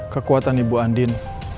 kekuatan ibu andin